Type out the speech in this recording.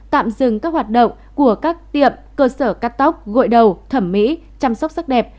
tạm dừng các hoạt động của các tiệm cơ sở cắt tóc gội đầu thẩm mỹ chăm sóc sắc đẹp